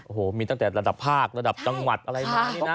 โอ้โหมีตั้งแต่ระดับภาคระดับจังหวัดอะไรมานี่นะ